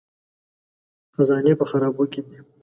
خزانې په خرابو کې دي